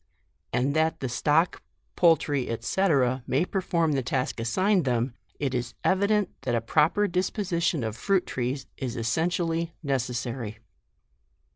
And that the stock, poultry, &c. may perform the task assigned them, it is evident that a proper dis position of fruit trees is essentially, necessa iy.